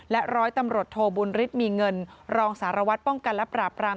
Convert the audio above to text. ร้อยตำรวจโทบุญฤทธิ์มีเงินรองสารวัตรป้องกันและปราบราม